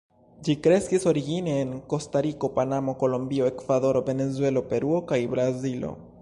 Ĝi kreskis origine en Kostariko, Panamo, Kolombio, Ekvadoro, Venezuelo, Peruo kaj Brazilo.